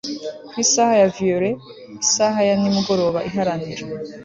Ku isaha ya violet isaha ya nimugoroba iharanira